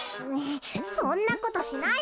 そんなことしないわよ！